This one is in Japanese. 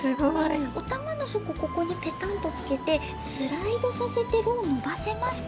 おたまのそこここにペタンとつけてスライドさせてろうをのばせますかね？